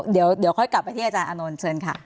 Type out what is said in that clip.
เดี๋ยวค่อยกลับไปที่อาจารย์อานนท์เชิญค่ะ